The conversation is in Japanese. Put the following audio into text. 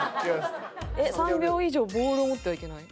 ３秒以上ボールを持ってはいけない？